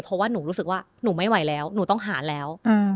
เพราะว่าหนูรู้สึกว่าหนูไม่ไหวแล้วหนูต้องหาแล้ว